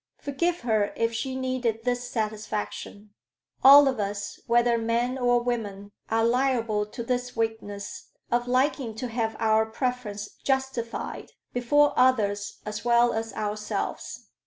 Forgive her if she needed this satisfaction; all of us, whether men or women, are liable to this weakness of liking to have our preference justified before others as well as ourselves.